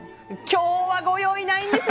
今日はご用意ないんです。